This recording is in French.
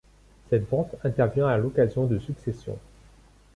Cette vente intervient à l'occasion de successions.